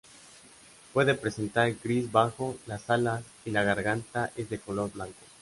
Puede presentar gris bajo las alas y la garganta es de color blanco.